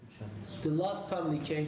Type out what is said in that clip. pemerintah turki mencari aliran pengungsi